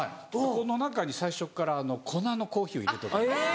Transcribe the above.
この中に最初っから粉のコーヒーを入れておくんで。